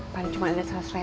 paling cuma ada salah serempu